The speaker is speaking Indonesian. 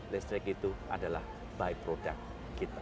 listrik itu adalah produk beli kita